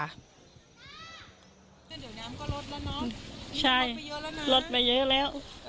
ก็เดี๋ยวน้ำก็ลดแล้วเนอะลดไปเยอะแล้วนะลดไปเยอะแล้ว